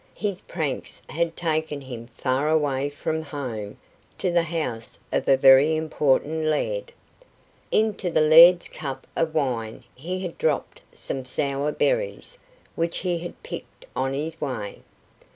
His pranks had taken him far away from home to the house of a very important laird. Into the laird's cup of wine he had dropped some sour berries which he had picked on his way.